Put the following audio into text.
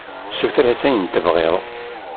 Suter-as ayen i tebɣiḍ.